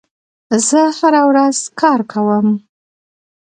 زه هره ورځ کار کوم.